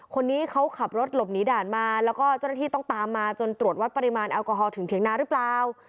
คนนี้เขาขับรถหลบหนีด่านมาแล้วก็เจ้าหน้าที่ต้องตามมาจนตรวจวัดปริมาณแอลกอฮอลถึงเถียงนาหรือเปล่า